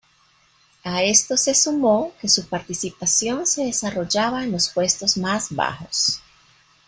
A esto se sumó que su participación se desarrollaba en los puestos más bajos.